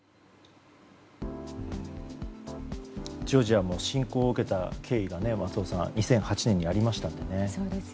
ジョージアも侵攻を受けた経緯が２００８年にありましたよね。